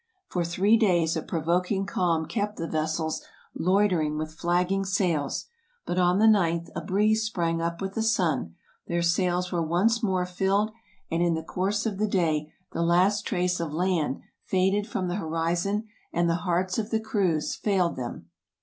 For three days a provoking calm kept the vessels loitering with flagging sails, but on the ninth a breeze sprang up with the sun, their sails were once more filled and in the course of the day the last trace of land faded from the horizon and the hearts of the crews failed them.